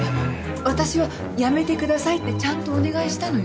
私は「やめてください」ってちゃんとお願いしたのよ。